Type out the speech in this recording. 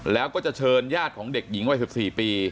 แล้วก็จะเชิญญาติของเด็กหญิงวัย๑๔ปี